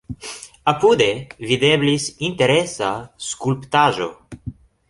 Apude videblis interesa skulptaĵo.